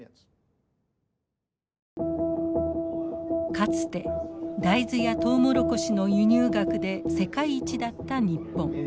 かつて大豆やトウモロコシの輸入額で世界一だった日本。